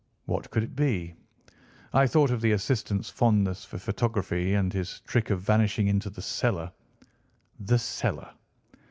What could it be? I thought of the assistant's fondness for photography, and his trick of vanishing into the cellar. The cellar!